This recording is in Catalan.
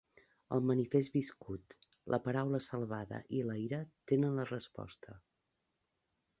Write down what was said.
El manifest viscut, la paraula salvada i la ira tenen la resposta.